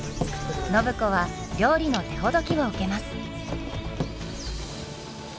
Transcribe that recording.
暢子は料理の手ほどきを受けます。